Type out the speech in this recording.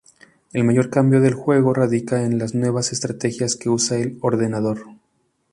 El mayor cambio del juego radica en las nuevas estrategias que usa el ordenador.